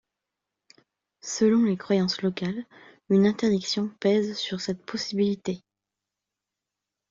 Selon les croyances locales, une interdiction pèse sur cette possibilité.